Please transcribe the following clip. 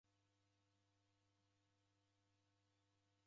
W'ededanya kwa chia ya simu.